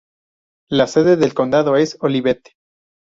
La sede del condado es Olivet.